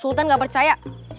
sultan gak percaya